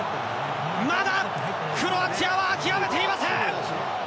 まだクロアチアは諦めていません！